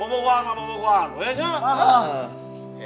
berbeda beda ya kan